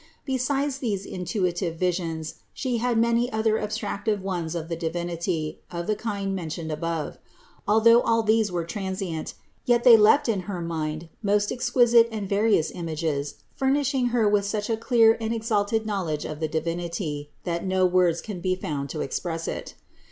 Besides these intuitive visions, She had many other abstractive ones of the Divinity, of the kind mentioned above. Although all these were transient, yet they left in her mind most exquisite and various images furnishing Her with such a clear and exalted knowledge of the Divinity, that no words can be found to express it.